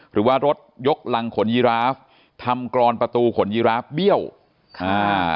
หรือว่ารถยกรังขนยีราฟทำกรอนประตูขนยีราฟเบี้ยวอ่า